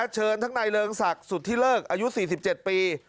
เชิญทั้งนายเริงศักดิ์สุธิเลิกอายุ๔๗ปี